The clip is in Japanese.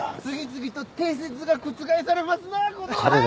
次々と定説が覆されますなぁご同輩！